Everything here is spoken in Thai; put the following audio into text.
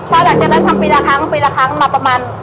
พอหลังจากนั้นทำปีละครั้งปีละครั้งมาประมาณ